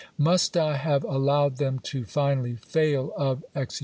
Must I have allowed them to finally fail of exe chap.